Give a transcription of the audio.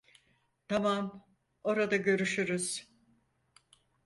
Tamam, orada görüşürüz.